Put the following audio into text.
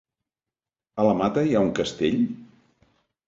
A la Mata hi ha un castell?